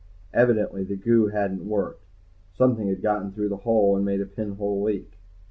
Evidently the goo hadn't worked. Something had got through the hull and made a pinhole leak.